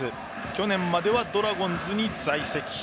去年まではドラゴンズに在籍。